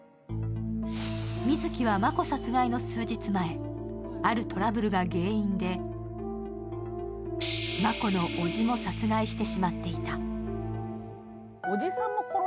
美月は真子殺害の数日前、あるトラブルが原因で真子のおじも殺害してしまった。